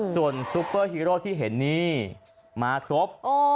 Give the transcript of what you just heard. ส่วนซุปเปอร์ฮีโร่ที่เห็นนี่มาครบ